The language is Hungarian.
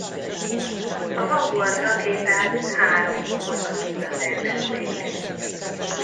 A Vanguard rakétát három fokozatúra tervezték.